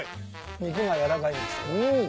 肉が軟らかいんですよ。